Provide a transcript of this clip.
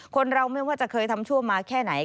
คนเราไม่ว่าจะเคยทำชั่วมาแค่ไหน